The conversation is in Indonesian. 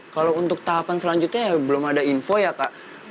kalau untuk tahapan selanjutnya ya belum ada info ya kak